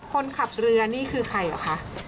คนขับเรือนี่คือใครเหรอคะ